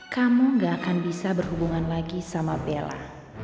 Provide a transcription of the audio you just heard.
kamu gak akan bisa berhubungan lagi sama bella